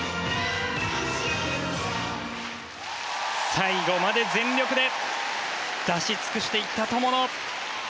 最後まで全力で出し尽くしていった友野。